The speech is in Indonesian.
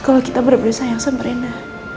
kalau kita bener bener sayang sama rina